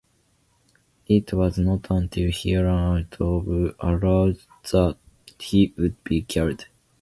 It was not until he ran out of arrows that he would be killed.